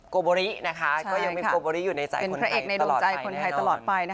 โกบรินะคะก็ยังมีโกบริอยู่ในใจคนไทยตลอดไป